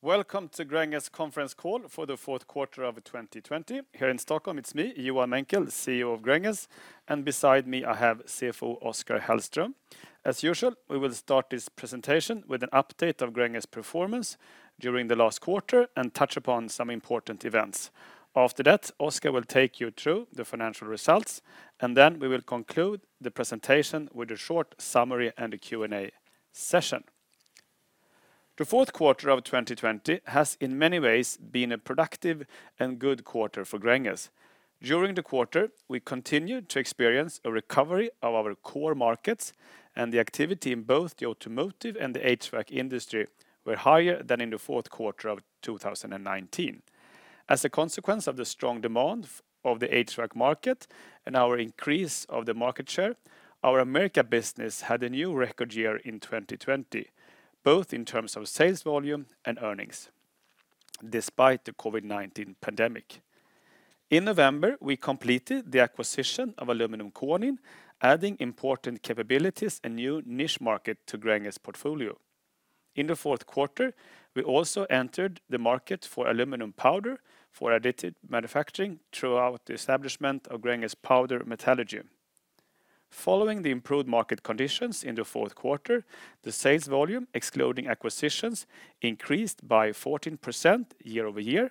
Welcome to Gränges conference call for the fourth quarter of 2020 here in Stockholm. It's me, Johan Menckel, CEO of Gränges, and beside me I have CFO Oskar Hellström. As usual, we will start this presentation with an update of Gränges performance during the last quarter and touch upon some important events. After that, Oskar will take you through the financial results, and then we will conclude the presentation with a short summary and a Q&A session. The fourth quarter of 2020 has in many ways been a productive and good quarter for Gränges. During the quarter, we continued to experience a recovery of our core markets and the activity in both the automotive and the HVAC industry were higher than in the fourth quarter of 2019. As a consequence of the strong demand of the HVAC market and our increase of the market share, our America business had a new record year in 2020, both in terms of sales volume and earnings, despite the COVID-19 pandemic. In November, we completed the acquisition of Aluminium Konin, adding important capabilities and new niche market to Gränges portfolio. In the fourth quarter, we also entered the market for aluminum powder for additive manufacturing throughout the establishment of Gränges Powder Metallurgy. Following the improved market conditions in the fourth quarter, the sales volume, excluding acquisitions, increased by 14% year-over-year,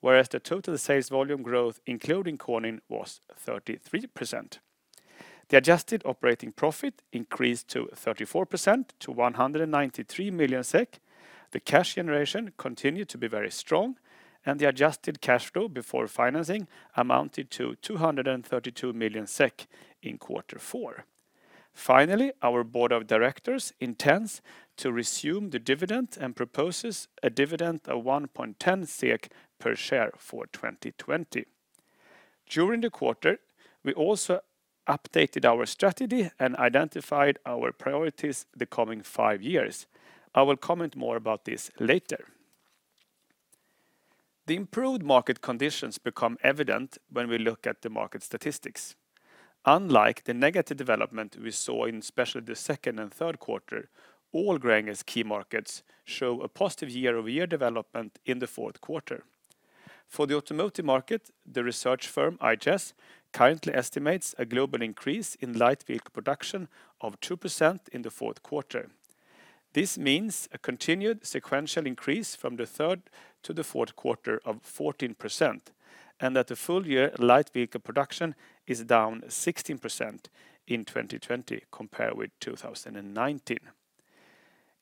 whereas the total sales volume growth, including Konin, was 33%. The adjusted operating profit increased to 34% to 193 million SEK. The cash generation continued to be very strong, the adjusted cash flow before financing amounted to 232 million SEK in quarter four. Finally, our board of directors intends to resume the dividend and proposes a dividend of 1.10 SEK per share for 2020. During the quarter, we also updated our strategy and identified our priorities the coming five years. I will comment more about this later. The improved market conditions become evident when we look at the market statistics. Unlike the negative development we saw in especially the second and third quarter, all Gränges key markets show a positive year-over-year development in the fourth quarter. For the automotive market, the research firm IHS currently estimates a global increase in light vehicle production of 2% in the fourth quarter. This means a continued sequential increase from the third to the fourth quarter of 14%, and that the full year light vehicle production is down 16% in 2020 compared with 2019.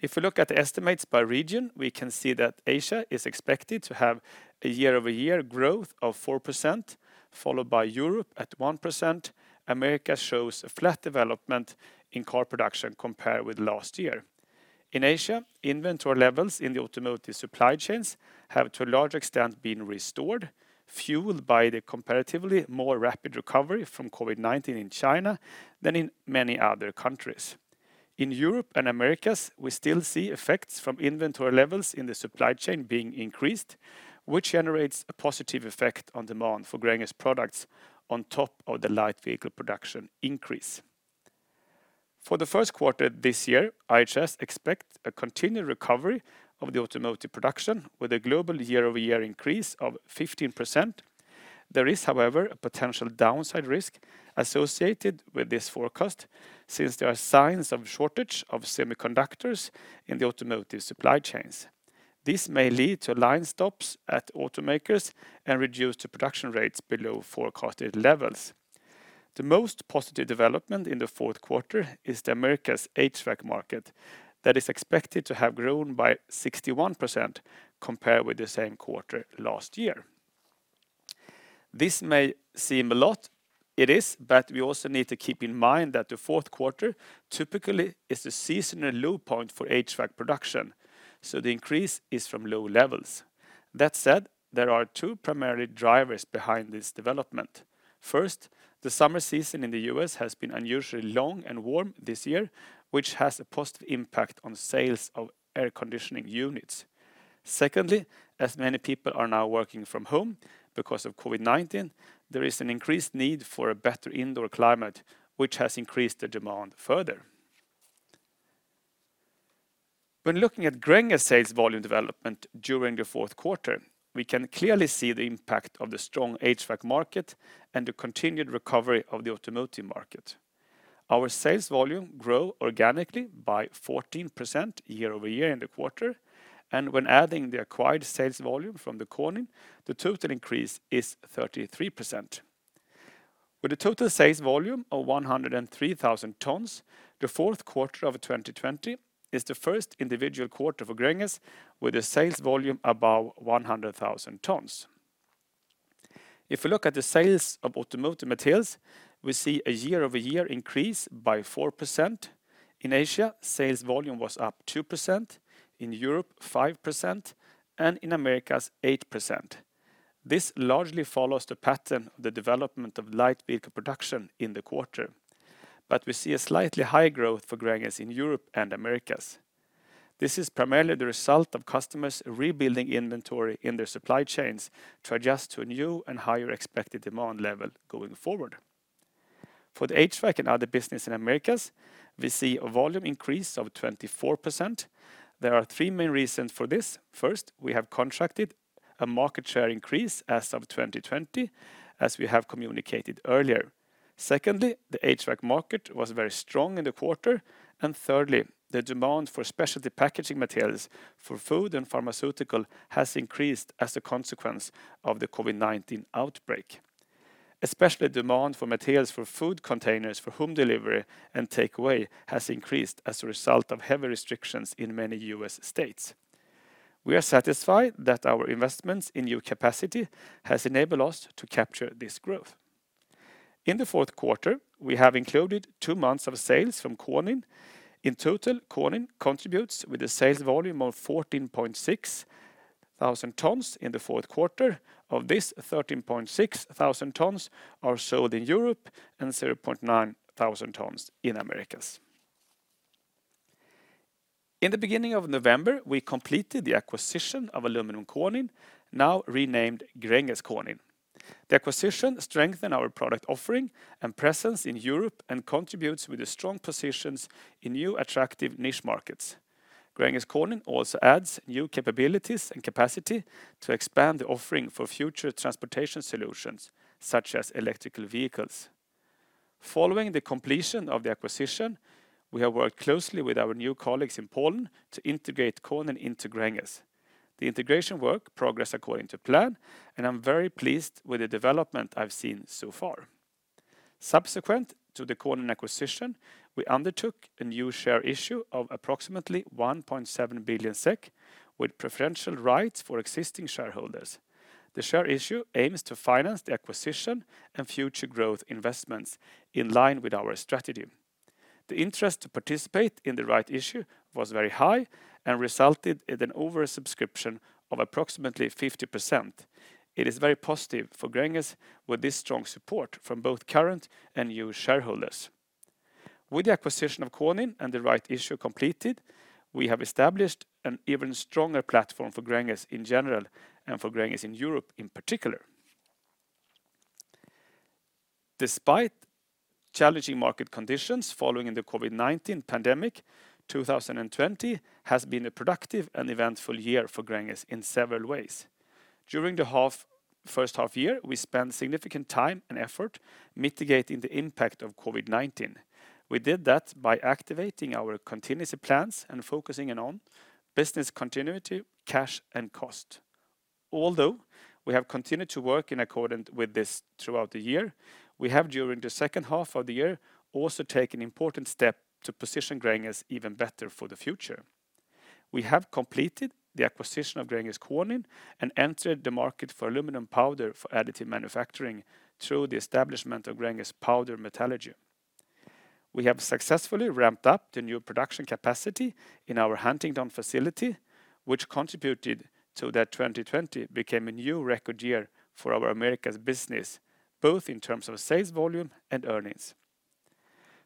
If we look at the estimates by region, we can see that Asia is expected to have a year-over-year growth of 4%, followed by Europe at 1%. America shows a flat development in car production compared with last year. In Asia, inventory levels in the automotive supply chains have to a large extent been restored, fueled by the comparatively more rapid recovery from COVID-19 in China than in many other countries. In Europe and Americas, we still see effects from inventory levels in the supply chain being increased, which generates a positive effect on demand for Gränges products on top of the light vehicle production increase. For the first quarter this year, IHS expect a continued recovery of the automotive production with a global year-over-year increase of 15%. There is, however, a potential downside risk associated with this forecast since there are signs of shortage of semiconductors in the automotive supply chains. This may lead to line stops at automakers and reduce the production rates below forecasted levels. The most positive development in the fourth quarter is the Americas HVAC market that is expected to have grown by 61% compared with the same quarter last year. This may seem a lot. It is, but we also need to keep in mind that the fourth quarter typically is the seasonal low point for HVAC production, so the increase is from low levels. That said, there are two primary drivers behind this development. First, the summer season in the U.S. has been unusually long and warm this year, which has a positive impact on sales of air conditioning units. Secondly, as many people are now working from home because of COVID-19, there is an increased need for a better indoor climate, which has increased the demand further. When looking at Gränges sales volume development during the fourth quarter, we can clearly see the impact of the strong HVAC market and the continued recovery of the automotive market. Our sales volume grow organically by 14% year-over-year in the quarter, and when adding the acquired sales volume from the Konin, the total increase is 33%. With a total sales volume of 103,000 tons, the fourth quarter of 2020 is the first individual quarter for Gränges with a sales volume above 100,000 tons. If we look at the sales of automotive materials, we see a year-over-year increase by 4%. In Asia, sales volume was up 2%, in Europe 5%, and in Americas 8%. This largely follows the pattern of the development of light vehicle production in the quarter. We see a slightly higher growth for Gränges in Europe and Americas. This is primarily the result of customers rebuilding inventory in their supply chains to adjust to a new and higher expected demand level going forward. For the HVAC and other business in Americas, we see a volume increase of 24%. There are three main reasons for this. First, we have contracted a market share increase as of 2020, as we have communicated earlier. Secondly, the HVAC market was very strong in the quarter, and thirdly, the demand for specialty packaging materials for food and pharmaceutical has increased as a consequence of the COVID-19 outbreak. Especially demand for materials for food containers for home delivery and takeaway has increased as a result of heavy restrictions in many U.S. states. We are satisfied that our investments in new capacity has enabled us to capture this growth. In the fourth quarter, we have included two months of sales from Konin. In total, Konin contributes with a sales volume of 14,600 tons in the fourth quarter. Of this, 13,600 tons are sold in Europe and 0.9 thousand tons in Americas. In the beginning of November, we completed the acquisition of Aluminium Konin, now renamed Gränges Konin. The acquisition strengthened our product offering and presence in Europe and contributes with the strong positions in new attractive niche markets. Gränges Konin also adds new capabilities and capacity to expand the offering for future transportation solutions, such as electrical vehicles. Following the completion of the acquisition, we have worked closely with our new colleagues in Poland to integrate Konin into Gränges. The integration work progressed according to plan, and I'm very pleased with the development I've seen so far. Subsequent to the Konin acquisition, we undertook a new share issue of approximately 1.7 billion SEK with preferential rights for existing shareholders. The share issue aims to finance the acquisition and future growth investments in line with our strategy. The interest to participate in the right issue was very high and resulted in an oversubscription of approximately 50%. It is very positive for Gränges with this strong support from both current and new shareholders. With the acquisition of Konin and the right issue completed, we have established an even stronger platform for Gränges in general and for Gränges in Europe in particular. Despite challenging market conditions following the COVID-19 pandemic, 2020 has been a productive and eventful year for Gränges in several ways. During the first half year, we spent significant time and effort mitigating the impact of COVID-19. We did that by activating our contingency plans and focusing in on business continuity, cash, and cost. Although we have continued to work in accordance with this throughout the year, we have during the second half of the year also taken important steps to position Gränges even better for the future. We have completed the acquisition of Gränges Konin and entered the market for aluminium powder for additive manufacturing through the establishment of Gränges Powder Metallurgy. We have successfully ramped up the new production capacity in our Huntingdon facility, which contributed so that 2020 became a new record year for our Americas business, both in terms of sales volume and earnings.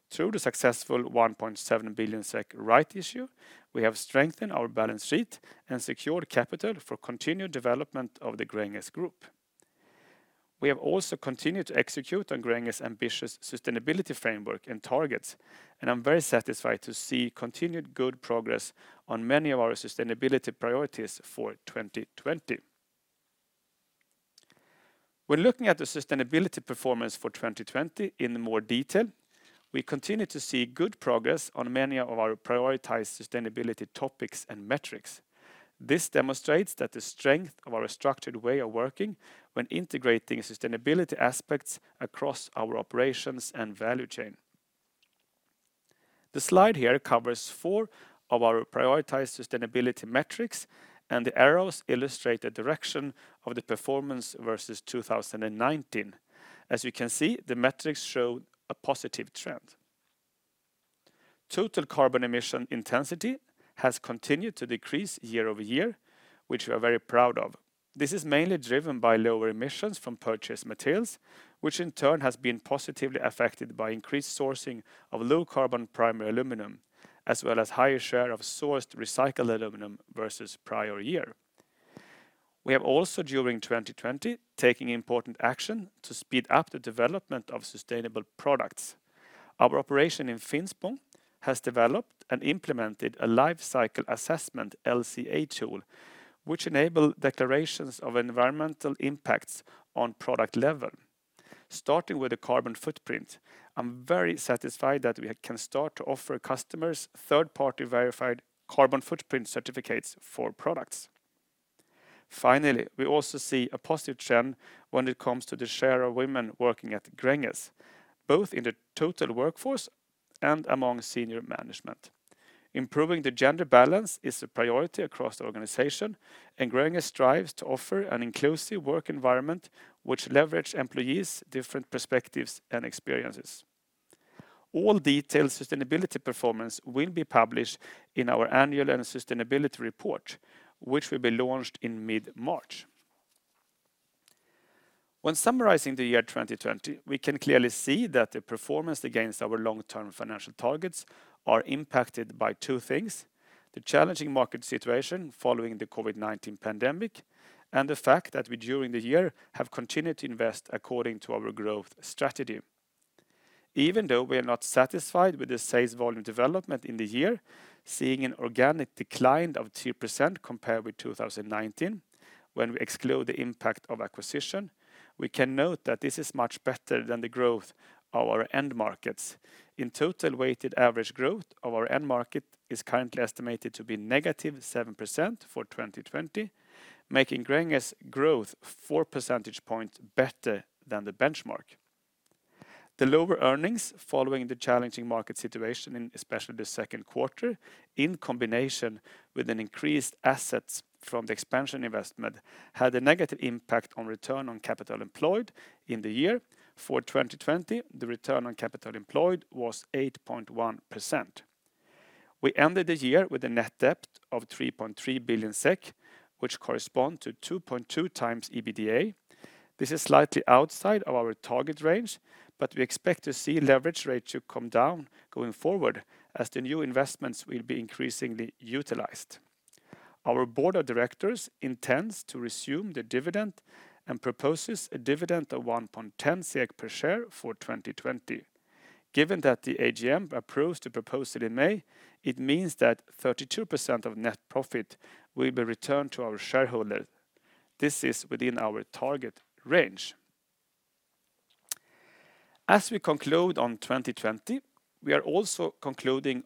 Through the successful 1.7 billion SEK rights issue, we have strengthened our balance sheet and secured capital for continued development of the Gränges group. We have also continued to execute on Gränges' ambitious sustainability framework and targets, and I'm very satisfied to see continued good progress on many of our sustainability priorities for 2020. When looking at the sustainability performance for 2020 in more detail, we continue to see good progress on many of our prioritized sustainability topics and metrics. This demonstrates the strength of our structured way of working when integrating sustainability aspects across our operations and value chain. The slide here covers four of our prioritized sustainability metrics, and the arrows illustrate the direction of the performance versus 2019. As you can see, the metrics show a positive trend. Total carbon emission intensity has continued to decrease year-over-year, which we are very proud of. This is mainly driven by lower emissions from purchased materials, which in turn has been positively affected by increased sourcing of low-carbon primary aluminum, as well as higher share of sourced recycled aluminum versus prior year. We have also during 2020 taken important action to speed up the development of sustainable products. Our operation in Finspång has developed and implemented a life cycle assessment, LCA, tool, which enable declarations of environmental impacts on product level. Starting with the carbon footprint, I'm very satisfied that we can start to offer customers third-party verified carbon footprint certificates for products. Finally, we also see a positive trend when it comes to the share of women working at Gränges, both in the total workforce and among senior management. Gränges strives to offer an inclusive work environment which leverages employees' different perspectives and experiences. All detailed sustainability performance will be published in our annual and sustainability report, which will be launched in mid-March. When summarizing the year 2020, we can clearly see that the performance against our long-term financial targets are impacted by two things: The challenging market situation following the COVID-19 pandemic, and the fact that we during the year have continued to invest according to our growth strategy. Even though we are not satisfied with the sales volume development in the year, seeing an organic decline of 2% compared with 2019, when we exclude the impact of acquisition, we can note that this is much better than the growth of our end markets. In total, weighted average growth of our end market is currently estimated to be negative 7% for 2020, making Gränges growth four percentage points better than the benchmark. The lower earnings following the challenging market situation in especially the second quarter, in combination with an increased assets from the expansion investment, had a negative impact on return on capital employed in the year. For 2020, the return on capital employed was 8.1%. We ended the year with a net debt of 3.3 billion SEK, which correspond to 2.2 times EBITDA. This is slightly outside of our target range, but we expect to see leverage rate to come down going forward as the new investments will be increasingly utilized. Our board of directors intends to resume the dividend and proposes a dividend of 1.10 per share for 2020. Given that the AGM approves the proposal in May, it means that 32% of net profit will be returned to our shareholder. This is within our target range. As we conclude on 2020, we are also concluding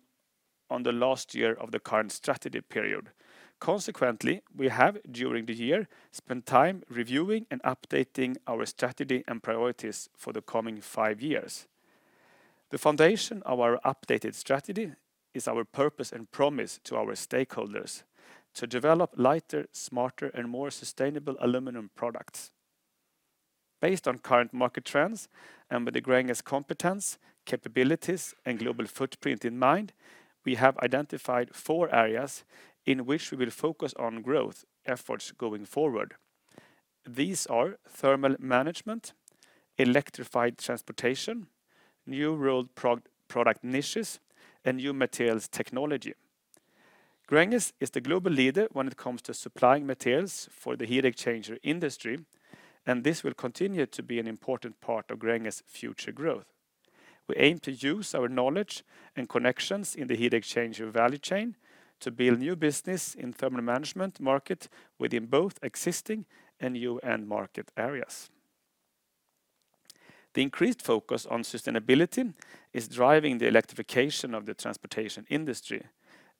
on the last year of the current strategy period. Consequently, we have, during the year, spent time reviewing and updating our strategy and priorities for the coming five years. The foundation of our updated strategy is our purpose and promise to our stakeholders to develop lighter, smarter, and more sustainable aluminum products. Based on current market trends, and with the Gränges competence, capabilities, and global footprint in mind, we have identified four areas in which we will focus on growth efforts going forward. These are thermal management, electrified transportation, new rolled product niches, and new materials technology. Gränges is the global leader when it comes to supplying materials for the heat exchanger industry, and this will continue to be an important part of Gränges' future growth. We aim to use our knowledge and connections in the heat exchanger value chain to build new business in thermal management market within both existing and new end market areas. The increased focus on sustainability is driving the electrification of the transportation industry.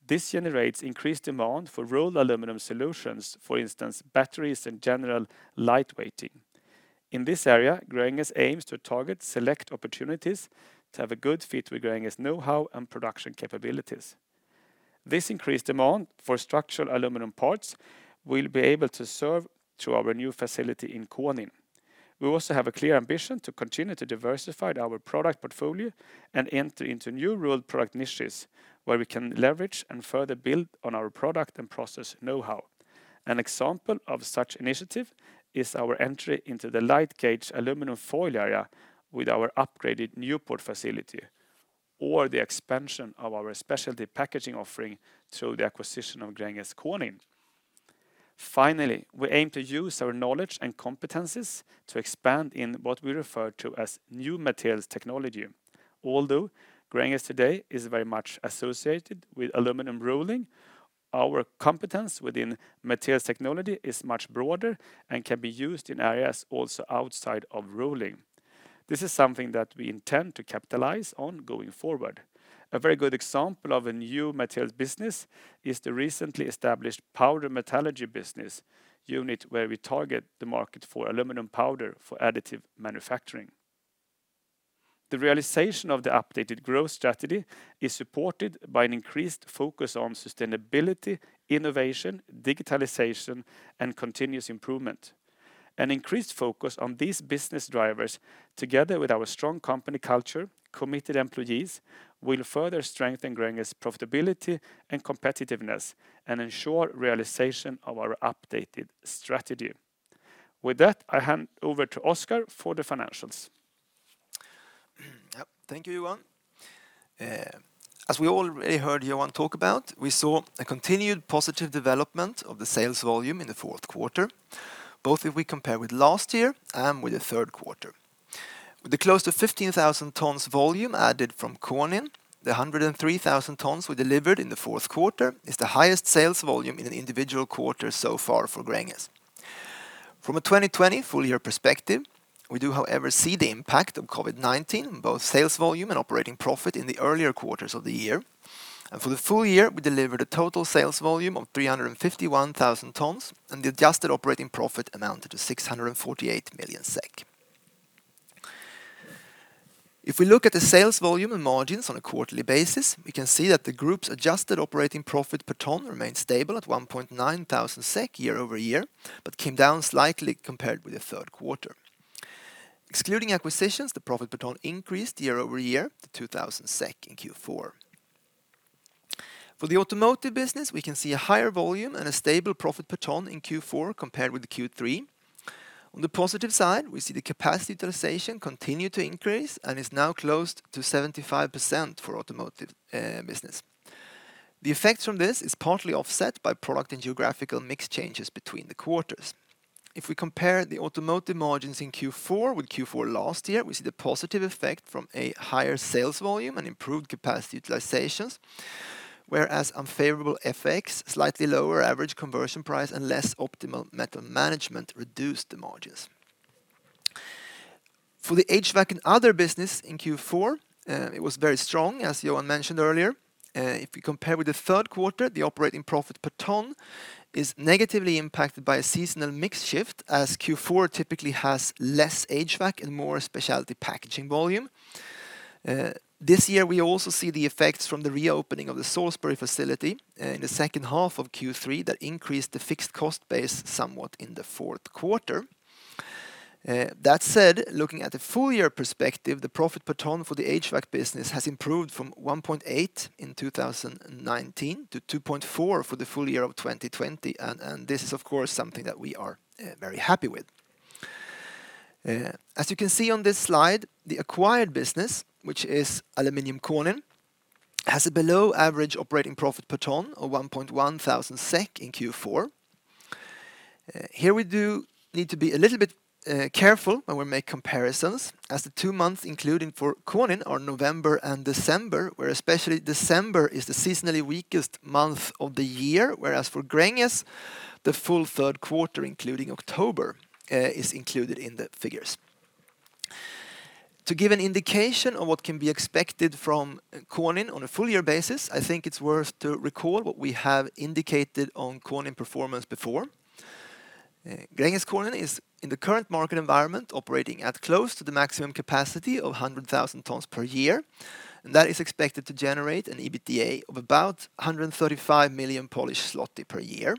This generates increased demand for rolled aluminum solutions, for instance, batteries and general light weighting. In this area, Gränges aims to target select opportunities to have a good fit with Gränges knowhow and production capabilities. This increased demand for structural aluminum parts, we will be able to serve through our new facility in Konin. We also have a clear ambition to continue to diversify our product portfolio and enter into new rolled product niches where we can leverage and further build on our product and process knowhow. An example of such initiative is our entry into the light gauge aluminium foil area with our upgraded Newport facility, or the expansion of our specialty packaging offering through the acquisition of Gränges Konin. We aim to use our knowledge and competencies to expand in what we refer to as new materials technology. Although Gränges today is very much associated with aluminium rolling, our competence within materials technology is much broader and can be used in areas also outside of rolling. This is something that we intend to capitalize on going forward. A very good example of a new materials business is the recently established Gränges Powder Metallurgy business unit where we target the market for aluminium powder for additive manufacturing. The realization of the updated growth strategy is supported by an increased focus on sustainability, innovation, digitalization, and continuous improvement. An increased focus on these business drivers, together with our strong company culture, committed employees, will further strengthen Gränges profitability and competitiveness and ensure realization of our updated strategy. With that, I hand over to Oskar for the financials. Yep. Thank you, Johan. As we already heard Johan talk about, we saw a continued positive development of the sales volume in the fourth quarter, both if we compare with last year and with the third quarter. With the close to 15,000 tonnes volume added from Konin, the 103,000 tonnes we delivered in the fourth quarter is the highest sales volume in an individual quarter so far for Gränges. For the full year, we do however see the impact of COVID-19 on both sales volume and operating profit in the earlier quarters of the year. For the full year, we delivered a total sales volume of 351,000 tonnes and the adjusted operating profit amounted to 648 million SEK. If we look at the sales volume and margins on a quarterly basis, we can see that the group's adjusted operating profit per tonne remained stable at 1,900 SEK year-over-year, but came down slightly compared with the third quarter. Excluding acquisitions, the profit per tonne increased year-over-year to 2,000 SEK in Q4. For the automotive business, we can see a higher volume and a stable profit per tonne in Q4 compared with Q3. On the positive side, we see the capacity utilization continue to increase and is now close to 75% for automotive business. The effect from this is partly offset by product and geographical mix changes between the quarters. If we compare the automotive margins in Q4 with Q4 last year, we see the positive effect from a higher sales volume and improved capacity utilizations, whereas unfavorable FX, slightly lower average conversion price, and less optimal metal management reduced the margins. For the HVAC and other business in Q4, it was very strong, as Johan mentioned earlier. If you compare with the third quarter, the operating profit per ton is negatively impacted by a seasonal mix shift as Q4 typically has less HVAC and more specialty packaging volume. This year, we also see the effects from the reopening of the Salisbury facility in the second half of Q3 that increased the fixed cost base somewhat in the fourth quarter. That said, looking at the full year perspective, the profit per ton for the HVAC business has improved from 1.8 in 2019 to 2.4 for the full year of 2020. This is, of course, something that we are very happy with. As you can see on this slide, the acquired business, which is Aluminium Konin, has a below average operating profit per ton of 1.1 thousand SEK in Q4. Here we do need to be a little bit careful when we make comparisons, as the two months including for Konin are November and December, where especially December is the seasonally weakest month of the year, whereas for Gränges, the full third quarter, including October, is included in the figures. To give an indication on what can be expected from Konin on a full year basis, I think it's worth to recall what we have indicated on Konin performance before. Gränges Konin is, in the current market environment, operating at close to the maximum capacity of 100,000 tons per year. That is expected to generate an EBITDA of about 135 million per year.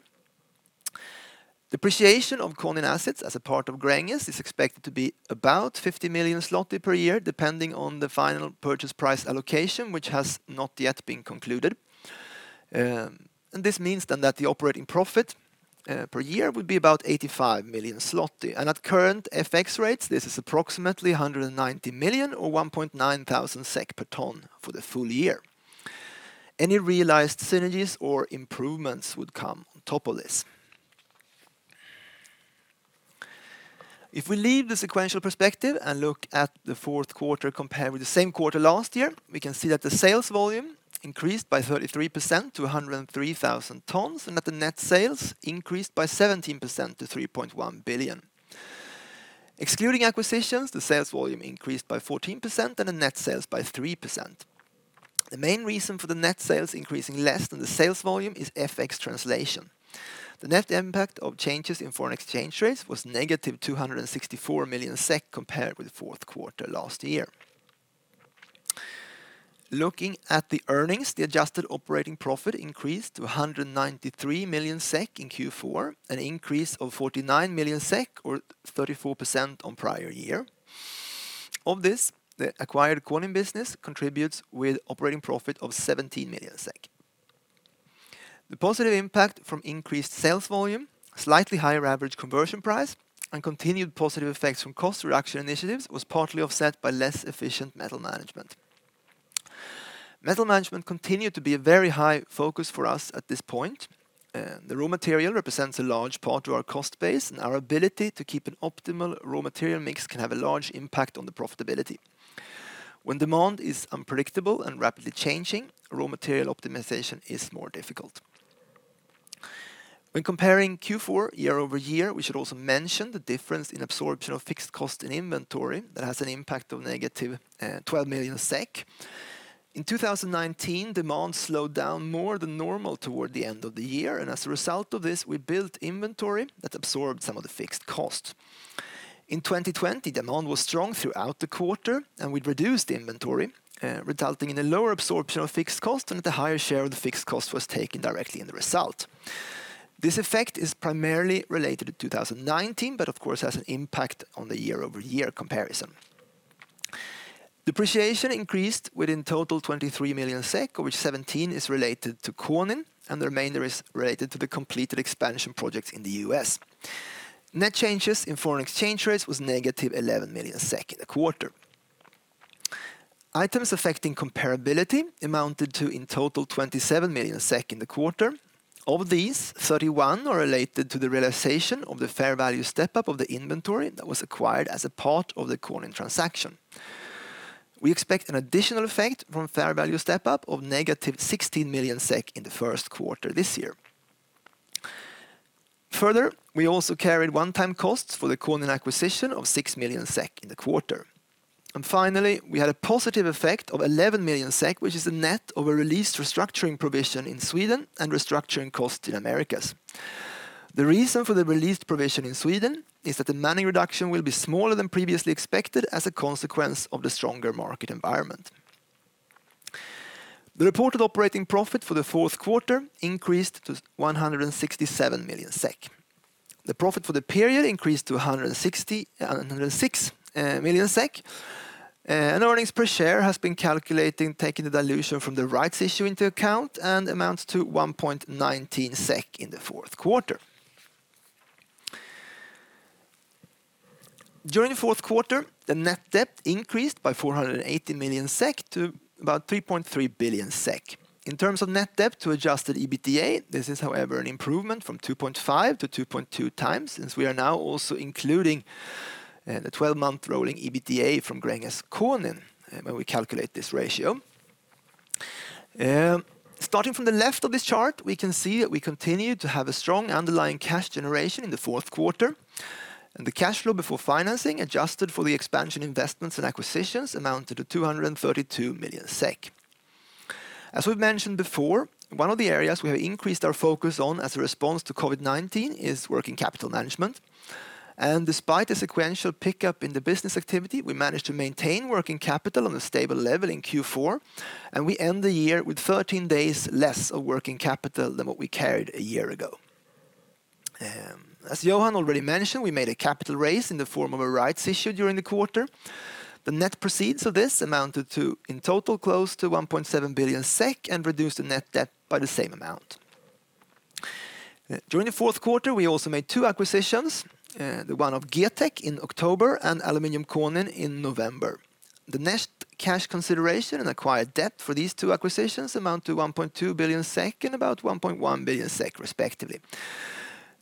Depreciation of Konin assets as a part of Gränges is expected to be about 50 million zloty per year, depending on the final purchase price allocation, which has not yet been concluded. This means that the operating profit per year would be about 85 million zloty. At current FX rates, this is approximately 190 million or 1.9 thousand SEK per ton for the full year. Any realized synergies or improvements would come on top of this. If we leave the sequential perspective and look at the fourth quarter compared with the same quarter last year, we can see that the sales volume increased by 33% to 103,000 tons and that the net sales increased by 17% to 3.1 billion. Excluding acquisitions, the sales volume increased by 14% and the net sales by 3%. The main reason for the net sales increasing less than the sales volume is FX translation. The net impact of changes in foreign exchange rates was negative 264 million SEK compared with fourth quarter last year. Looking at the earnings, the adjusted operating profit increased to 193 million SEK in Q4, an increase of 49 million SEK or 34% on prior year. Of this, the acquired Konin business contributes with operating profit of 17 million SEK. The positive impact from increased sales volume, slightly higher average conversion price, and continued positive effects from cost reduction initiatives was partly offset by less efficient metal management. Metal management continued to be a very high focus for us at this point. The raw material represents a large part of our cost base. Our ability to keep an optimal raw material mix can have a large impact on the profitability. When demand is unpredictable and rapidly changing, raw material optimization is more difficult. When comparing Q4 year-over-year, we should also mention the difference in absorption of fixed cost in inventory that has an impact of negative 12 million. In 2019, demand slowed down more than normal toward the end of the year. As a result of this, we built inventory that absorbed some of the fixed cost. In 2020, demand was strong throughout the quarter, and we'd reduced the inventory, resulting in a lower absorption of fixed cost and that the higher share of the fixed cost was taken directly in the result. This effect is primarily related to 2019, of course, has an impact on the year-over-year comparison. Depreciation increased within total 23 million SEK, of which 17 is related to Konin, and the remainder is related to the completed expansion projects in the U.S. Net changes in foreign exchange rates was negative 11 million SEK in the quarter. Items affecting comparability amounted to, in total, 27 million SEK in the quarter. Of these, 31 are related to the realization of the fair value step-up of the inventory that was acquired as a part of the Konin transaction. We expect an additional effect from fair value step-up of negative 16 million SEK in the first quarter this year. We also carried one-time costs for the Konin acquisition of 6 million SEK in the quarter. Finally, we had a positive effect of 11 million SEK, which is a net of a released restructuring provision in Sweden and restructuring cost in Americas. The reason for the released provision in Sweden is that the manning reduction will be smaller than previously expected as a consequence of the stronger market environment. The reported operating profit for the fourth quarter increased to 167 million SEK. The profit for the period increased to 106 million SEK. Earnings per share has been calculated taking the dilution from the rights issue into account and amounts to 1.19 SEK in the fourth quarter. During the fourth quarter, the net debt increased by 480 million SEK to about 3.3 billion SEK. In terms of net debt to adjusted EBITDA, this is however an improvement from 2.5 to 2.2 times since we are now also including the 12-month rolling EBITDA from Gränges Konin when we calculate this ratio. Starting from the left of this chart, we can see that we continue to have a strong underlying cash generation in the fourth quarter, and the cash flow before financing adjusted for the expansion investments and acquisitions amounted to 232 million SEK. As we've mentioned before, one of the areas we have increased our focus on as a response to COVID-19 is working capital management. Despite a sequential pickup in the business activity, we managed to maintain working capital on a stable level in Q4, and we end the year with 13 days less of working capital than what we carried a year ago. As Johan already mentioned, we made a capital raise in the form of a rights issue during the quarter. The net proceeds of this amounted to, in total, close to 1.7 billion SEK and reduced the net debt by the same amount. During the fourth quarter, we also made two acquisitions, the one of GETEK in October and Aluminium Konin in November. The net cash consideration and acquired debt for these two acquisitions amount to 1.2 billion SEK and about 1.1 billion SEK respectively.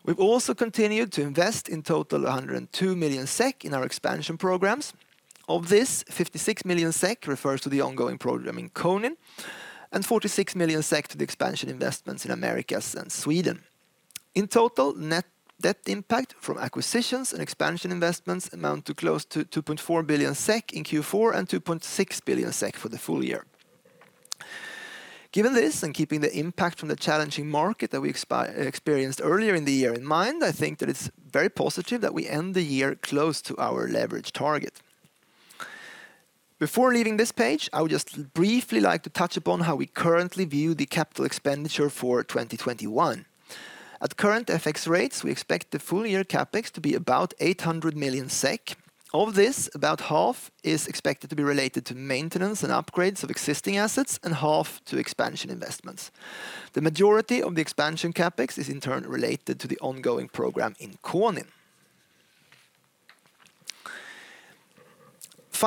We've also continued to invest in total 102 million SEK in our expansion programs. Of this, 56 million SEK refers to the ongoing program in Konin and 46 million SEK to the expansion investments in Americas and Sweden. In total, net debt impact from acquisitions and expansion investments amount to close to 2.4 billion SEK in Q4 and 2.6 billion SEK for the full year. Given this, and keeping the impact from the challenging market that we experienced earlier in the year in mind, I think that it's very positive that we end the year close to our leverage target. Before leaving this page, I would just briefly like to touch upon how we currently view the capital expenditure for 2021. At current FX rates, we expect the full year CapEx to be about 800 million SEK. Of this, about half is expected to be related to maintenance and upgrades of existing assets and half to expansion investments. The majority of the expansion CapEx is in turn related to the ongoing program in Konin.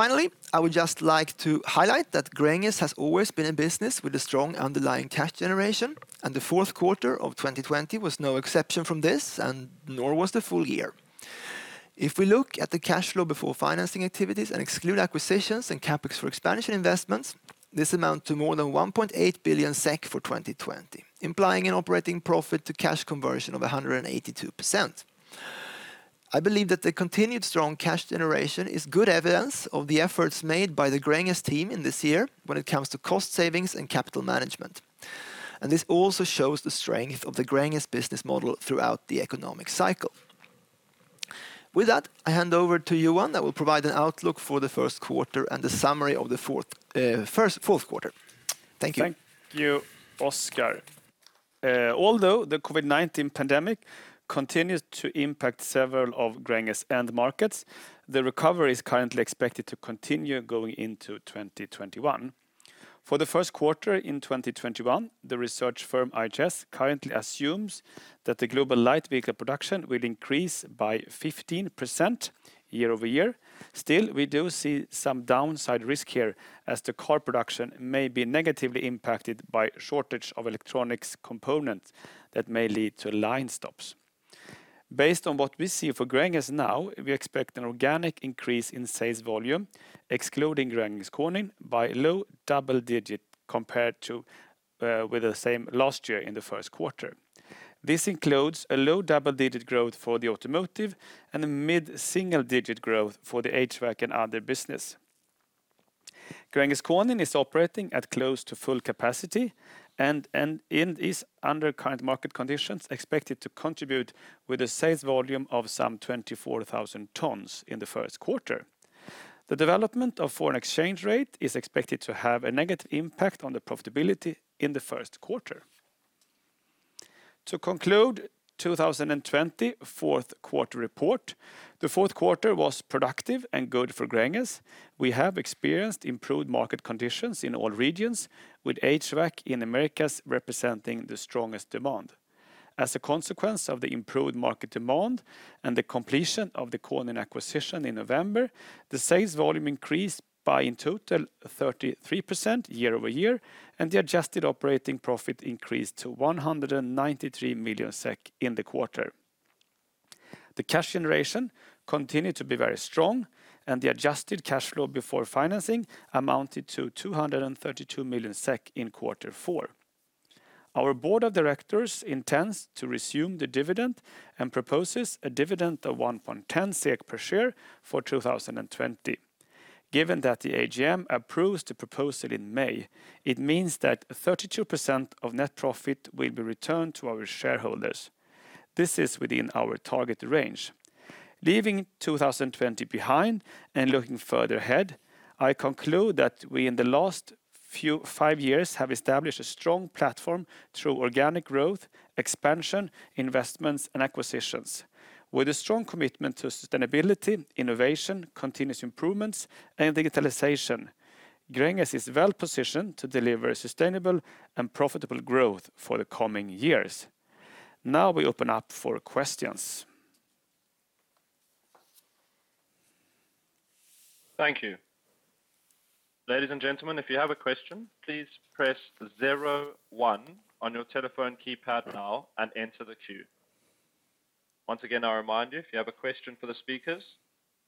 Finally, I would just like to highlight that Gränges has always been in business with a strong underlying cash generation, and the fourth quarter of 2020 was no exception from this, and nor was the full year. If we look at the cash flow before financing activities and exclude acquisitions and CapEx for expansion investments, this amount to more than 1.8 billion SEK for 2020, implying an operating profit to cash conversion of 182%. I believe that the continued strong cash generation is good evidence of the efforts made by the Gränges team in this year when it comes to cost savings and capital management. This also shows the strength of the Gränges business model throughout the economic cycle. With that, I hand over to Johan that will provide an outlook for the first quarter and the summary of the fourth quarter. Thank you. Thank you, Oskar. Although the COVID-19 pandemic continues to impact several of Gränges end markets, the recovery is currently expected to continue going into 2021. For the first quarter in 2021, the research firm IHS currently assumes that the global light vehicle production will increase by 15% year-over-year. We do see some downside risk here as the car production may be negatively impacted by shortage of electronics components that may lead to line stops. Based on what we see for Gränges now, we expect an organic increase in sales volume, excluding Gränges Konin, by low double digit compared to with the same last year in the first quarter. This includes a low double-digit growth for the automotive and a mid-single digit growth for the HVAC and other business. Gränges Konin is operating at close to full capacity and is under current market conditions expected to contribute with a sales volume of some 24,000 tons in the first quarter. The development of foreign exchange rate is expected to have a negative impact on the profitability in the first quarter. To conclude 2020 fourth quarter report, the fourth quarter was productive and good for Gränges. We have experienced improved market conditions in all regions with HVAC in Americas representing the strongest demand. As a consequence of the improved market demand and the completion of the Konin acquisition in November, the sales volume increased by in total 33% year-over-year, and the adjusted operating profit increased to 193 million SEK in the quarter. The cash generation continued to be very strong, and the adjusted cash flow before financing amounted to 232 million SEK in quarter four. Our board of directors intends to resume the dividend and proposes a dividend of 1.10 SEK per share for 2020. Given that the AGM approves the proposal in May, it means that 32% of net profit will be returned to our shareholders. This is within our target range. Leaving 2020 behind and looking further ahead, I conclude that we in the last five years have established a strong platform through organic growth, expansion, investments, and acquisitions. With a strong commitment to sustainability, innovation, continuous improvements, and digitalization, Gränges is well positioned to deliver sustainable and profitable growth for the coming years. Now we open up for questions. Thank you. Ladies and gentlemen ,If you have a question please press zero one on your telephone keypad now and enter the two. Once again I remind you if you have question for the speakers,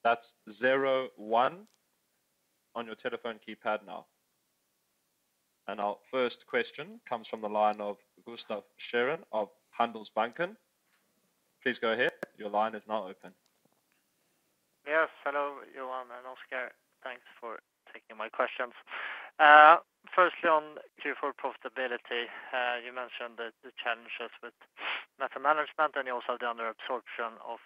press zero one on your telephone keypad now. Our first question comes from the line of Gustaf Schwerin of Handelsbanken. Please go ahead. Your line is now open. Yes. Hello, Johan and Oskar. Thanks for taking my questions. Firstly, on Q4 profitability, you mentioned the challenges with metal management, and you also had the under-absorption of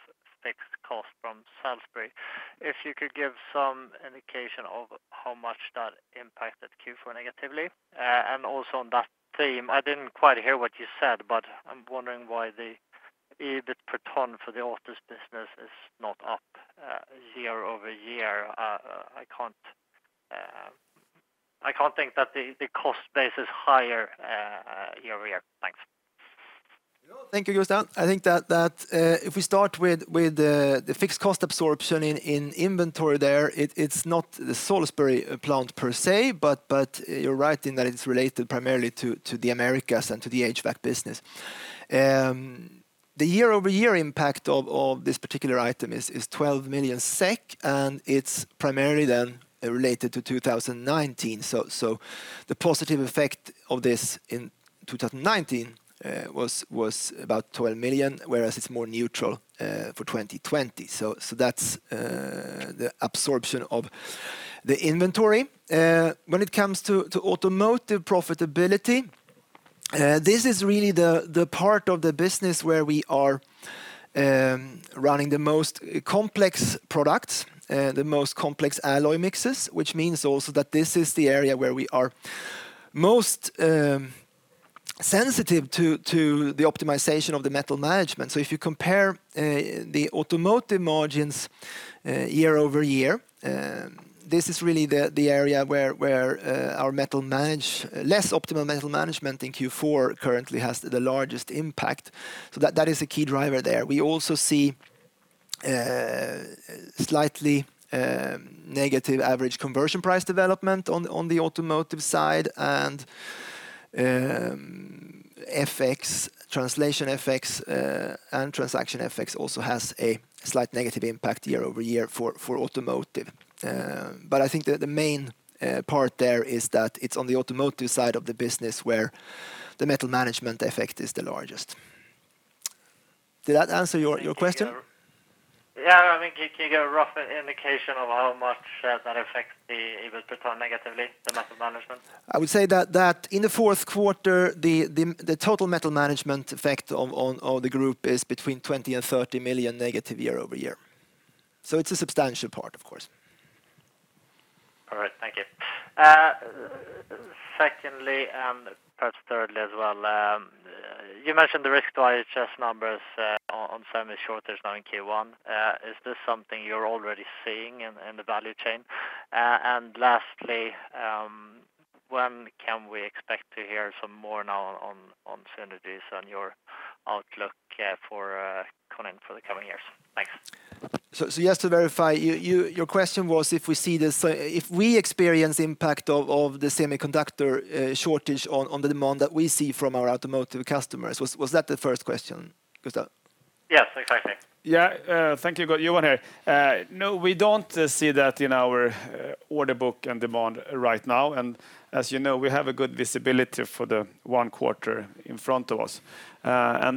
fixed cost from Salisbury. If you could give some indication of how much that impacted Q4 negatively. Also on that theme, I didn't quite hear what you said, but I'm wondering why the EBIT per ton for the autos business is not up year-over-year. I can't think that the cost base is higher year-over-year. Thanks. No, thank you, Gustaf. I think that if we start with the fixed cost absorption in inventory there, it's not the Salisbury plant per se, you're right in that it's related primarily to the Americas and to the HVAC business. The year-over-year impact of this particular item is 12 million SEK, it's primarily then related to 2019. The positive effect of this in 2019 was about 12 million SEK, whereas it's more neutral for 2020. That's the absorption of the inventory. When it comes to automotive profitability, this is really the part of the business where we are running the most complex products, the most complex alloy mixes, which means also that this is the area where we are most sensitive to the optimization of the metal management. If you compare the automotive margins year-over-year, this is really the area where our less optimal metal management in Q4 currently has the largest impact. That is a key driver there. We also see slightly negative average conversion price development on the automotive side, and translation FX and transaction FX also has a slight negative impact year-over-year for automotive. I think that the main part there is that it's on the automotive side of the business where the metal management effect is the largest. Did that answer your question? Yeah. Can you give a rough indication of how much that affects the EBIT per ton negatively, the metal management? I would say that in the fourth quarter, the total metal management effect on the group is between 20 million and 30 million negative year-over-year. It's a substantial part, of course. All right, thank you. Secondly, and perhaps thirdly as well, you mentioned the risk to IHS numbers on semi shortage now in Q1. Is this something you're already seeing in the value chain? Lastly, when can we expect to hear some more now on synergies on your outlook for Konin for the coming years? Thanks. Just to verify, your question was if we experience impact of the semiconductor shortage on the demand that we see from our automotive customers. Was that the first question, Gustaf? Yes, exactly. Yeah. Thank you. Johan here. No, we don't see that in our order book and demand right now, and as you know, we have a good visibility for the one quarter in front of us.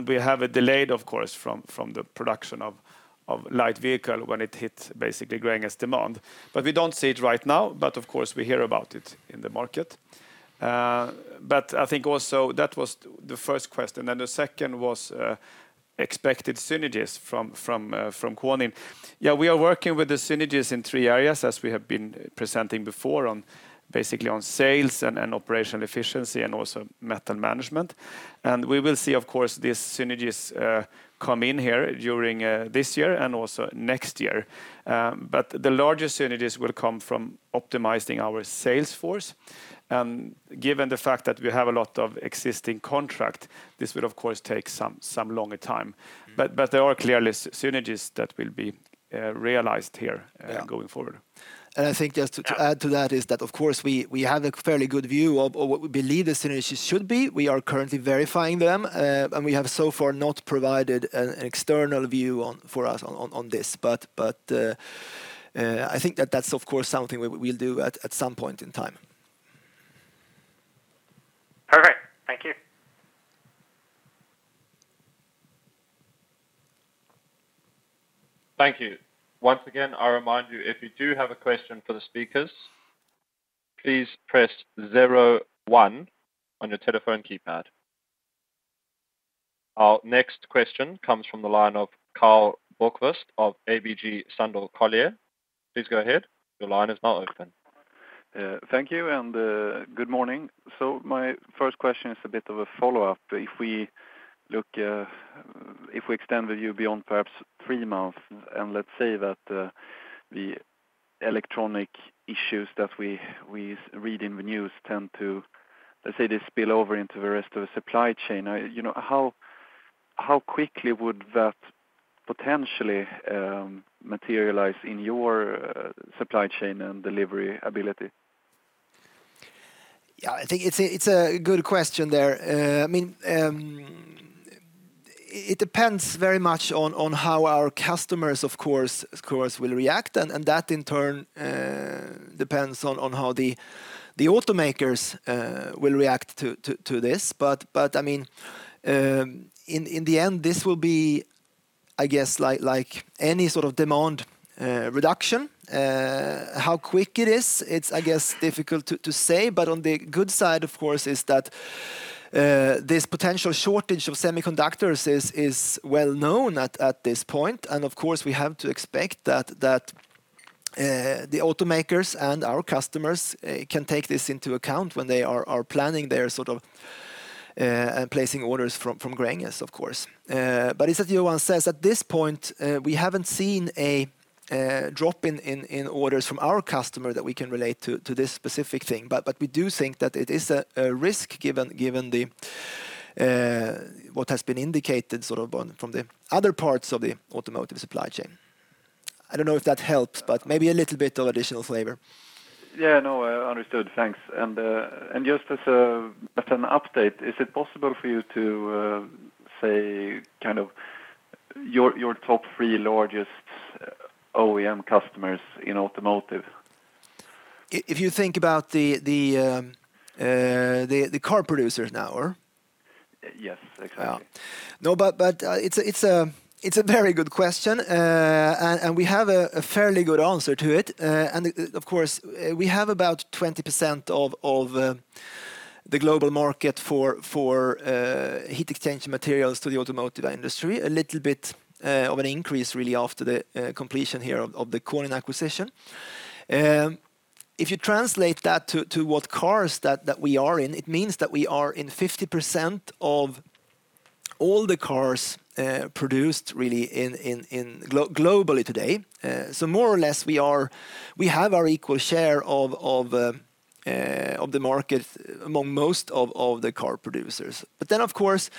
We have a delayed, of course, from the production of light vehicle when it hits basically Gränges demand. We don't see it right now, but of course, we hear about it in the market. I think also that was the first question. The second was expected synergies from Konin. Yeah, we are working with the synergies in three areas, as we have been presenting before, basically on sales and operational efficiency and also metal management. We will see, of course, these synergies come in here during this year and also next year. The largest synergies will come from optimizing our sales force. Given the fact that we have a lot of existing contracts, this will of course take some longer time. There are clearly synergies that will be realized here going forward. Yeah. I think just to add to that is that of course, we have a fairly good view of what we believe the synergies should be. We are currently verifying them. We have so far not provided an external view for us on this. I think that that's of course something we'll do at some point in time. Perfect. Thank you. Thank you. Once again, I remind you, if you do have a question for the speakers, please press zero one on your telephone keypad. Our next question comes from the line of Karl Bokvist of ABG Sundal Collier. Thank you, and good morning. My first question is a bit of a follow-up. If we extend the view beyond perhaps three months, and let's say that the electronic issues that we read in the news tend to, let's say, they spill over into the rest of the supply chain, how quickly would that potentially materialize in your supply chain and delivery ability? Yeah, I think it's a good question there. It depends very much on how our customers, of course, will react, and that in turn depends on how the automakers will react to this. In the end, this will be, I guess like any sort of demand reduction, how quick it is, it's difficult to say. On the good side, of course, is that this potential shortage of semiconductors is well-known at this point. Of course, we have to expect that the automakers and our customers can take this into account when they are planning their placing orders from Gränges, of course. As Johan says, at this point, we haven't seen a drop in orders from our customer that we can relate to this specific thing. We do think that it is a risk given what has been indicated from the other parts of the automotive supply chain. I don't know if that helps, but maybe a little bit of additional flavor. Yeah. No, understood. Thanks. Just as an update, is it possible for you to say your top three largest OEM customers in automotive? If you think about the car producers now? Yes, exactly. Yeah. It's a very good question, and we have a fairly good answer to it. Of course, we have about 20% of the global market for heat exchange materials to the automotive industry, a little bit of an increase, really, after the completion here of the Konin acquisition. If you translate that to what cars that we are in, it means that we are in 50% of all the cars produced really globally today. More or less, we have our equal share of the market among most of the car producers. Of course,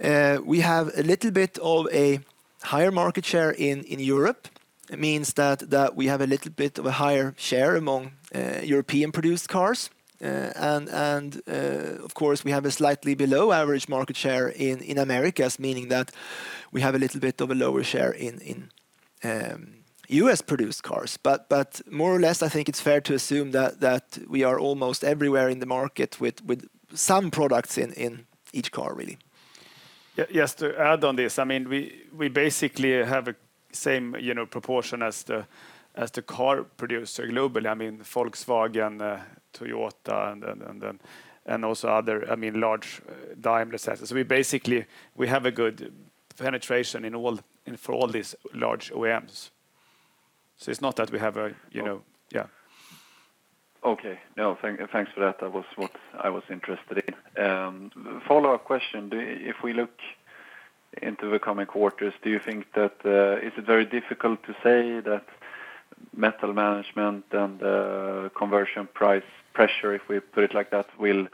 we have a little bit of a higher market share in Europe. It means that we have a little bit of a higher share among European-produced cars. Of course, we have a slightly below average market share in Americas, meaning that we have a little bit of a lower share in U.S.-produced cars. More or less, I think it's fair to assume that we are almost everywhere in the market with some products in each car, really. Yes, to add on this, we basically have the same proportion as the car producer globally. Volkswagen, Toyota, and also others, large. Basically, we have a good penetration for all these large OEMs. It's not that we have a. Okay. No, thanks for that. That was what I was interested in. Follow-up question. If we look into the coming quarters, do you think that, is it very difficult to say that metal management and conversion price pressure, if we put it like that, will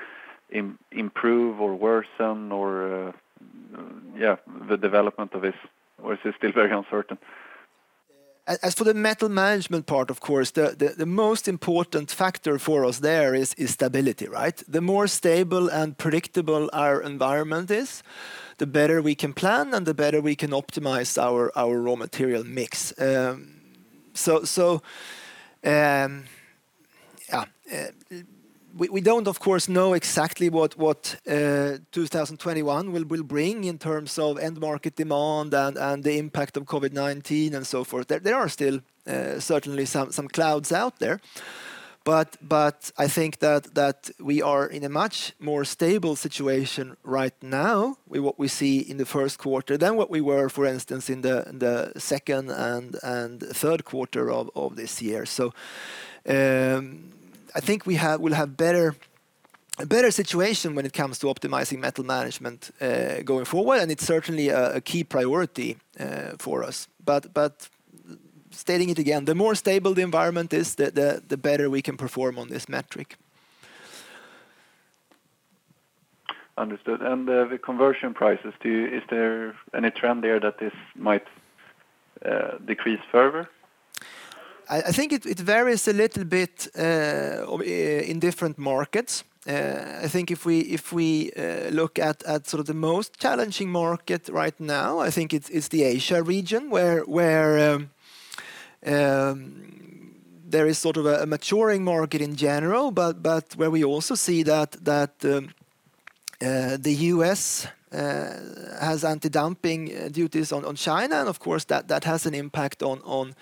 improve or worsen? Or the development of this, or is it still very uncertain? As for the metal management part, of course, the most important factor for us there is stability, right? The more stable and predictable our environment is, the better we can plan, and the better we can optimize our raw material mix. We don't, of course, know exactly what 2021 will bring in terms of end market demand and the impact of COVID-19 and so forth. There are still certainly some clouds out there, but I think that we are in a much more stable situation right now with what we see in the first quarter than what we were, for instance, in the second and third quarter of this year. I think we'll have a better situation when it comes to optimizing metal management going forward, and it's certainly a key priority for us. Stating it again, the more stable the environment is, the better we can perform on this metric. Understood. The conversion prices, is there any trend there that this might decrease further? I think it varies a little bit in different markets. I think if we look at the most challenging market right now, I think it's the Asia region, where there is a maturing market in general, but where we also see that the U.S. has anti-dumping duties on China. Of course, that has an impact on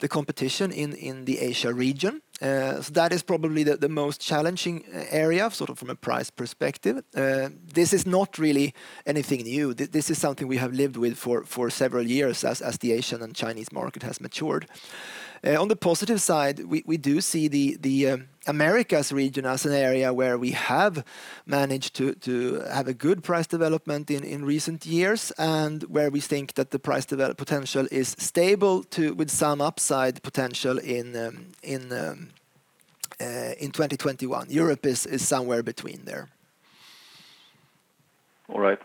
the competition in the Asia region. That is probably the most challenging area from a price perspective. This is not really anything new. This is something we have lived with for several years as the Asian and Chinese market has matured. On the positive side, we do see the Americas region as an area where we have managed to have a good price development in recent years, and where we think that the price development potential is stable with some upside potential. In 2021, Europe is somewhere between there. All right.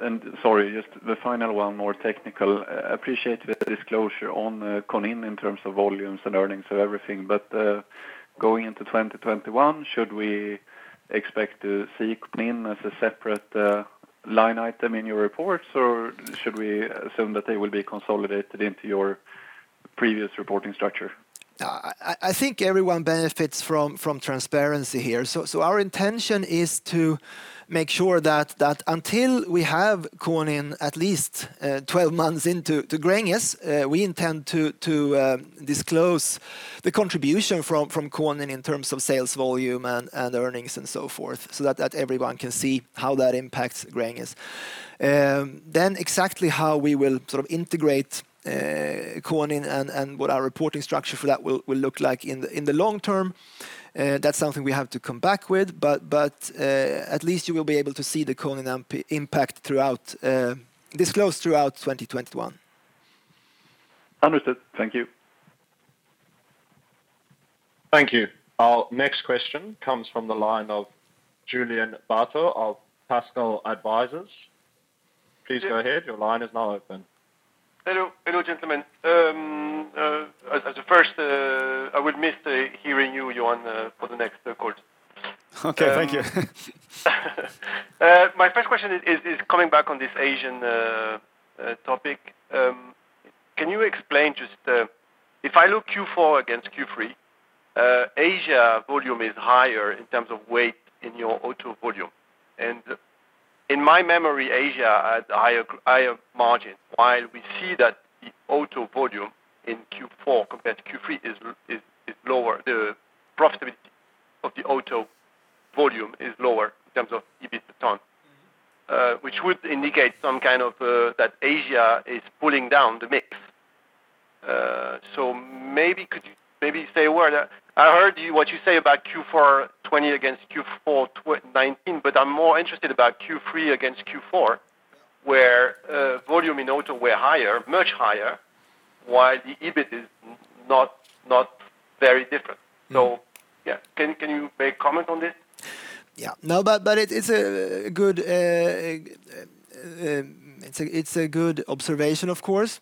Sorry, just the final one, more technical. Appreciate the disclosure on Konin in terms of volumes and earnings and everything. Going into 2021, should we expect to see Konin as a separate line item in your reports, or should we assume that they will be consolidated into your previous reporting structure? I think everyone benefits from transparency here. Our intention is to make sure that until we have Konin at least 12 months into Gränges, we intend to disclose the contribution from Konin in terms of sales volume and earnings and so forth, so that everyone can see how that impacts Gränges. Exactly how we will integrate Konin and what our reporting structure for that will look like in the long term, that's something we have to come back with. At least you will be able to see the Konin impact disclosed throughout 2021. Understood. Thank you. Thank you. Our next question comes from the line of Julien Batteau of Pascal Advisers. Please go ahead. Your line is now open. Hello, gentlemen. As a first, I will miss hearing you, Johan, for the next call. Okay. Thank you. My first question is coming back on this Asian topic. Can you explain, if I look Q4 against Q3, Asia volume is higher in terms of weight in your auto volume. In my memory, Asia had a higher margin. While we see that the auto volume in Q4 compared to Q3 is lower, the profitability of the auto volume is lower in terms of EBIT ton, which would indicate that Asia is pulling down the mix. Maybe say a word. I heard you, what you say about Q4 2020 against Q4 2019, but I'm more interested about Q3 against Q4, where volume in auto were higher, much higher, while the EBIT is not very different. Can you make comment on this? Yeah. No, but it's a good observation, of course.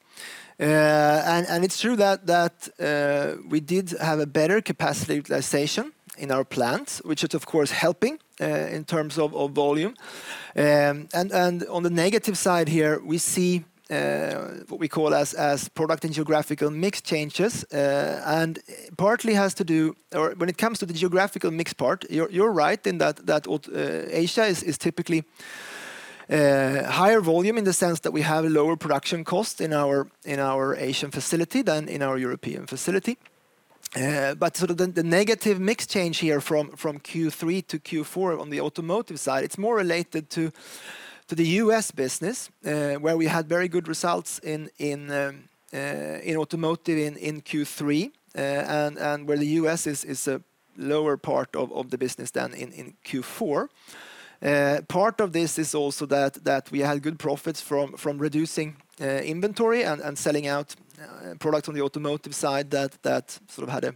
It's true that we did have a better capacity utilization in our plants, which is of course helping in terms of volume. On the negative side here, we see what we call as product and geographical mix changes, when it comes to the geographical mix part, you're right in that Asia is typically higher volume in the sense that we have lower production cost in our Asian facility than in our European facility. The negative mix change here from Q3 to Q4 on the automotive side, it's more related to the U.S. business, where we had very good results in automotive in Q3, and where the U.S. is a lower part of the business than in Q4. Part of this is also that we had good profits from reducing inventory and selling out products on the automotive side that had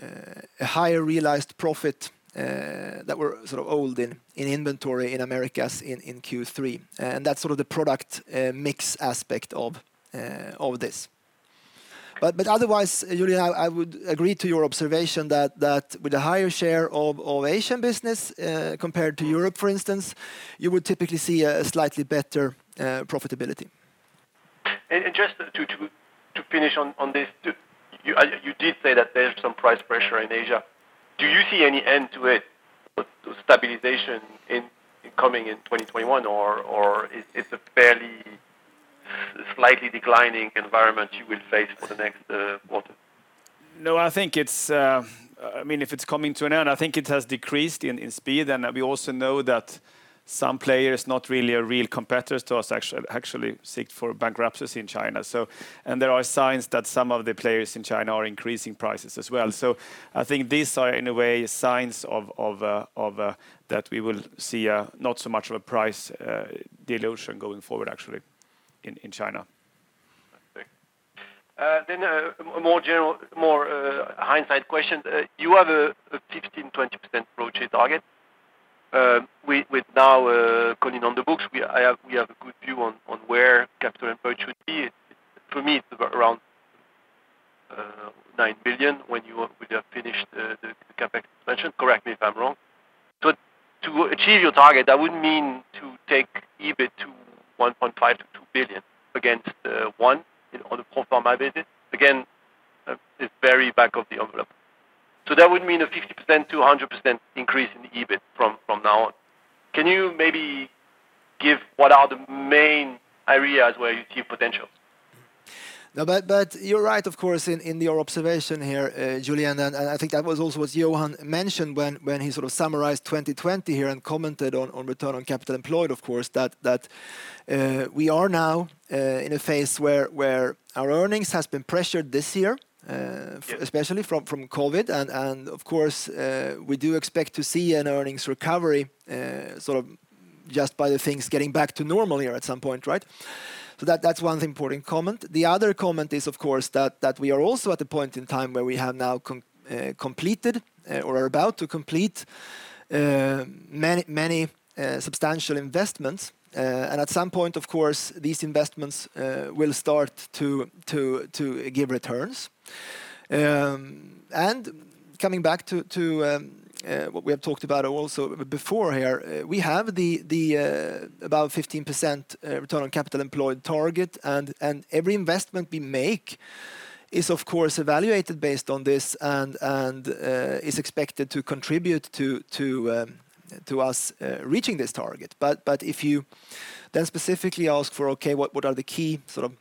a higher realized profit, that were old in inventory in Americas in Q3. That's the product mix aspect of this. Otherwise, Julien, I would agree to your observation that with the higher share of Asian business, compared to Europe, for instance, you would typically see a slightly better profitability. Just to finish on this, you did say that there's some price pressure in Asia. Do you see any end to it, or stabilization coming in 2021, or it's a fairly slightly declining environment you will face for the next quarter? No, I think it's I mean, if it's coming to an end, I think it has decreased in speed, and we also know that some players, not really a real competitor to us, actually seek for bankruptcies in China. There are signs that some of the players in China are increasing prices as well. I think these are, in a way, signs of that we will see not so much of a price dilution going forward, actually in China. A more hindsight question. You have a 15%-20% approach rate target. With now Konin on the books, we have a good view on where capital employed should be. For me, it's around 9 billion when you have finished the CapEx expansion. Correct me if I'm wrong. To achieve your target, that would mean to take EBIT to 1.5 billion-2 billion against 1 billion on a pro forma basis. Again, it's very back of the envelope. That would mean a 50%-100% increase in EBIT from now on. Can you maybe give what are the main areas where you see potential? No, you're right, of course, in your observation here, Julien, and I think that was also what Johan mentioned when he summarized 2020 here and commented on return on capital employed, of course, that we are now in a phase where our earnings has been pressured this year. Yes especially from COVID-19. Of course, we do expect to see an earnings recovery. Just by the things getting back to normal here at some point. That's one important comment. The other comment is, of course, that we are also at the point in time where we have now completed or are about to complete many substantial investments. At some point, of course, these investments will start to give returns. Coming back to what we have talked about also before here, we have about a 15% return on capital employed target, and every investment we make is, of course, evaluated based on this and is expected to contribute to us reaching this target. If you then specifically ask for, okay, what are the key sort of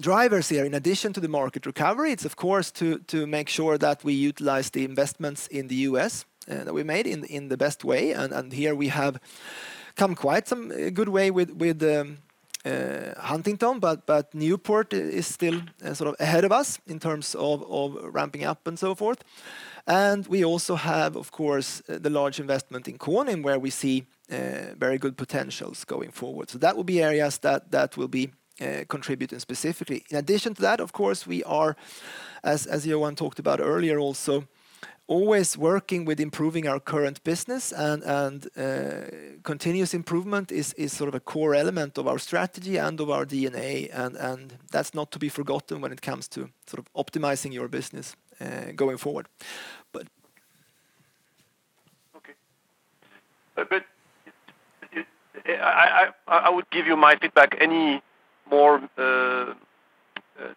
drivers here in addition to the market recovery? It's of course, to make sure that we utilize the investments in the U.S. that we made in the best way. Here we have come quite some good way with Huntingdon, but Newport is still sort of ahead of us in terms of ramping up and so forth. We also have, of course, the large investment in Konin, where we see very good potentials going forward. That will be areas that will be contributing specifically. In addition to that, of course, we are, as Johan talked about earlier, also always working with improving our current business, and continuous improvement is a core element of our strategy and of our DNA. That's not to be forgotten when it comes to optimizing your business going forward. Okay. I would give you my feedback, any more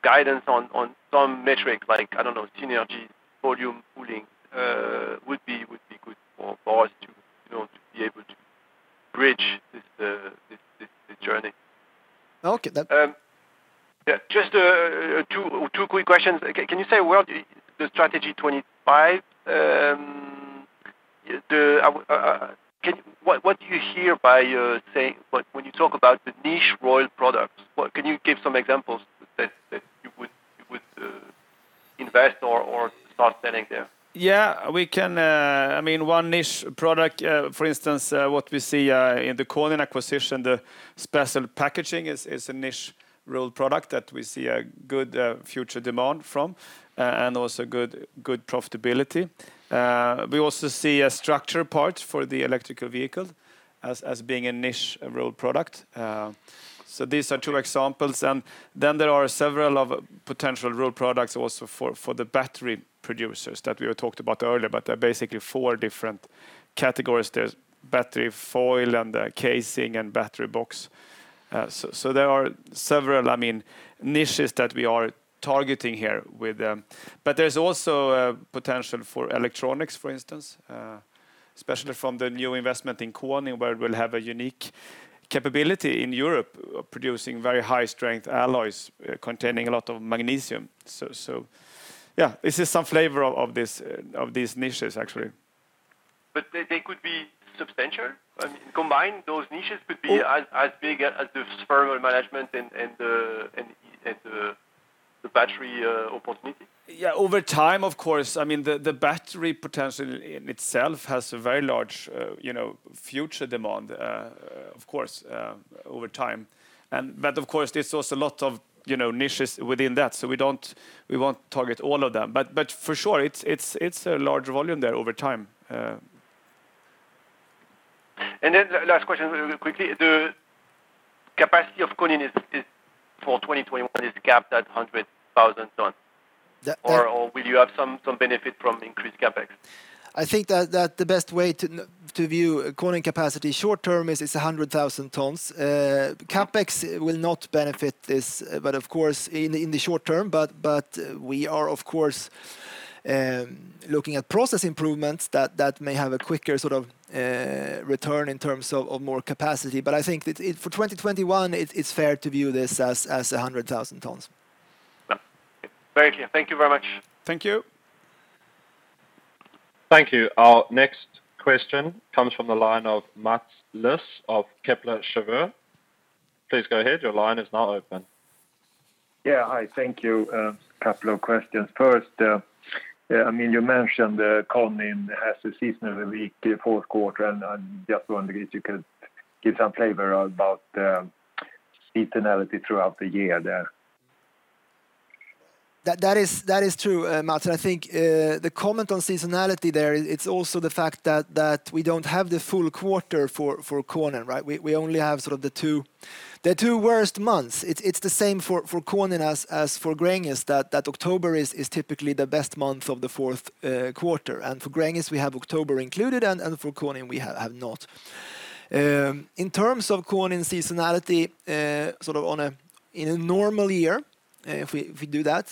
guidance on some metrics like, I don't know, synergy, volume pooling, would be good for us to be able to bridge this journey. Okay. Yeah. Just two quick questions. Can you say a word, the Strategy 25, what do you hear by saying, when you talk about the niche rolled products, can you give some examples that you would invest in or start selling there? Yeah, we can, I mean, one niche product, for instance, what we see in the Konin acquisition, the special packaging is a niche rolled product that we see a good future demand from, and also good profitability. We also see a structure part for the electrical vehicle as being a niche rolled product. These are two examples. There are several other potential rolled products also for the battery producers that we have talked about earlier, but there are basically four different categories. There's battery foil and casing, and battery box. There are several niches that we are targeting here. There's also potential for electronics, for instance, especially from the new investment in Konin, where we'll have a unique capability in Europe producing very high strength alloys containing a lot of magnesium. Yeah, this is some flavor of these niches, actually. They could be substantial? I mean, combined, those niches could be as big as the thermal management and the battery opportunity? Over time, of course. I mean, the battery potential in itself has a very large future demand, of course, over time. Of course, there's also a lot of niches within that. We won't target all of them. For sure, it's a large volume there over time. Last question really quickly. The capacity of Konin for 2021 is capped at 100,000 tons. Will you have some benefit from increased CapEx? I think that the best way to view Konin capacity short term is it's 100,000 tons. CapEx will not benefit this, but of course, in the short term, but we are, of course, looking at process improvements that may have a quicker sort of return in terms of more capacity. But I think for 2021, it's fair to view this as 100,000 tons. Thank you. Thank you very much. Thank you. Thank you. Our next question comes from the line of Mats Liss of Kepler Cheuvreux. Please go ahead. Your line is now open. Yeah. Hi. Thank you. A couple of questions. First, you mentioned Konin has a seasonally weak fourth quarter, and I'm just wondering if you could give some flavor about seasonality throughout the year there. That is true, Mats. I think the comment on seasonality there, it's also the fact that we don't have the full quarter for Konin, right? We only have sort of the two worst months. It's the same for Konin as for Gränges, that October is typically the best month of the fourth quarter. For Gränges, we have October included, and for Konin, we have not. In terms of Konin seasonality, sort of in a normal year, if we do that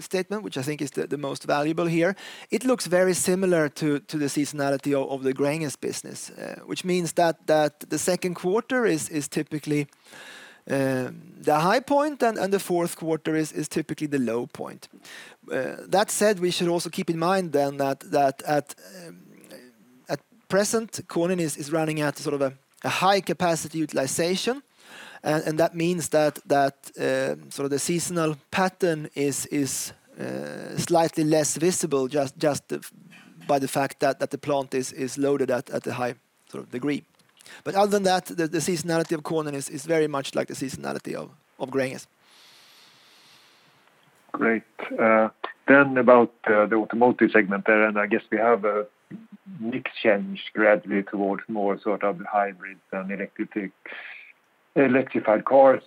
statement, which I think is the most valuable here, it looks very similar to the seasonality of the Gränges business. Which means that the second quarter is typically the high point, and the fourth quarter is typically the low point. That said, we should also keep in mind that at present, Konin is running at sort of a high capacity utilization. That means that the seasonal pattern is slightly less visible just by the fact that the plant is loaded at a high degree. Other than that, the seasonality of Konin is very much like the seasonality of Gränges. Great. About the automotive segment there, I guess we have a mix change gradually towards more hybrid and electrified cars.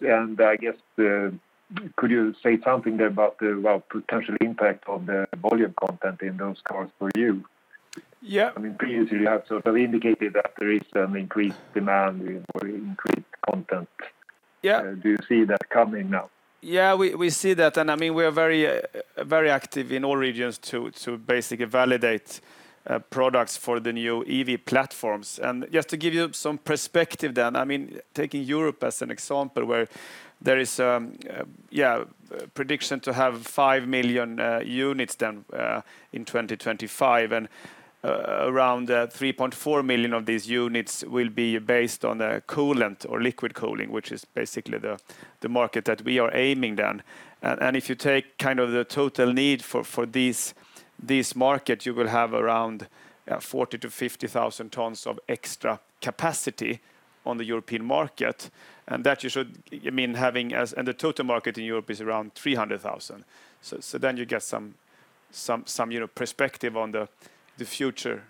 Could you say something there about the potential impact on the volume content in those cars for you? Yeah. Previously, you have indicated that there is an increased demand for increased content. Yeah. Do you see that coming now? We see that, we are very active in all regions to basically validate products for the new EV platforms. Just to give you some perspective, taking Europe as an example, where there is a prediction to have 5 million units in 2025, around 3.4 million of these units will be based on coolant or liquid cooling, which is basically the market that we are aiming. If you take the total need for this market, you will have around 40,000-50,000 tons of extra capacity on the European market. You get some perspective on the future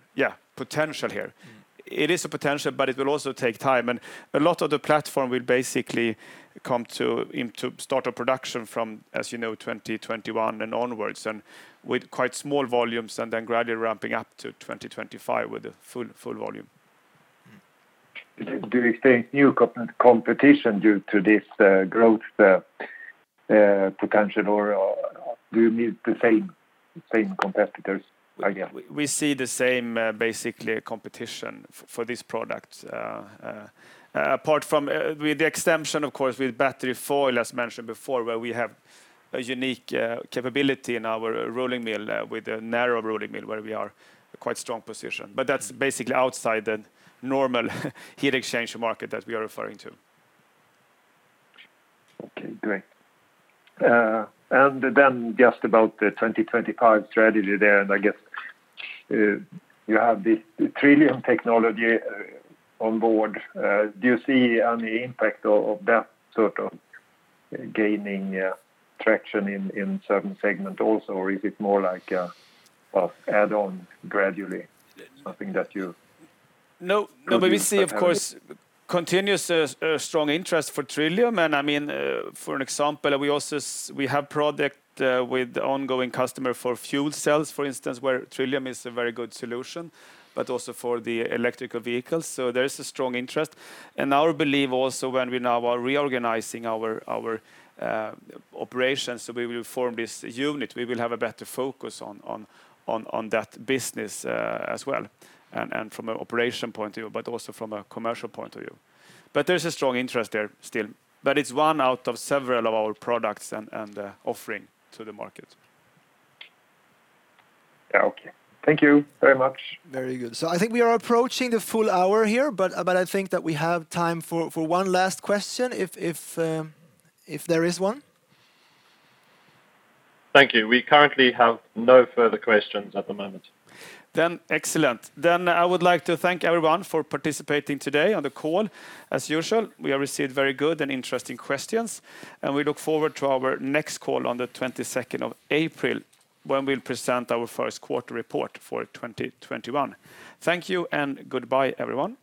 potential here. It is a potential, but it will also take time, and a lot of the platform will basically come into start of production from, as you know, 2021 and onwards, and with quite small volumes, and then gradually ramping up to 2025 with the full volume. Do you think new competition due to this growth potential, or do you meet the same competitors again? We see the same basically competition for this product. Apart from with the extension, of course, with battery foil, as mentioned before, where we have a unique capability in our rolling mill with a narrow rolling mill where we are quite strong position. That's basically outside the normal heat exchange market that we are referring to. Okay, great. Just about the 2025 strategy there, and I guess you have this TRILLIUM technology on board. Do you see any impact of that sort of gaining traction in certain segment also, or is it more like an add on gradually? We see, of course, continuous strong interest for TRILLIUM®, and for an example, we have product with ongoing customer for fuel cells, for instance, where TRILLIUM® is a very good solution, but also for the electrical vehicles. There is a strong interest. Our belief also when we now are reorganizing our operations, we will form this unit. We will have a better focus on that business as well, and from an operation point of view, but also from a commercial point of view. There's a strong interest there still. It's one out of several of our products and offering to the market. Okay. Thank you very much. Very good. I think we are approaching the full hour here, but I think that we have time for one last question if there is one. Thank you. We currently have no further questions at the moment. Excellent. I would like to thank everyone for participating today on the call. As usual, we have received very good and interesting questions, and we look forward to our next call on the 22nd of April when we'll present our first quarter report for 2021. Thank you and goodbye everyone.